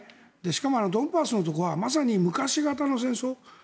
しかもドンバスのところはまさに昔型の戦争。